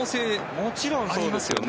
もちろんそうですよね。